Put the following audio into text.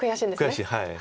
悔しいはい。